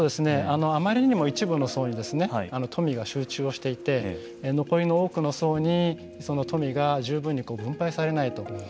あまりにも一部の層に富が集中をしていて残りの多くの層にその富が十分に分配されないと。